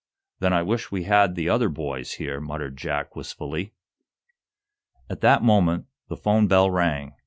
"Then I wish we had the other boys here," muttered Jack, wistfully. At that moment the 'phone bell rang.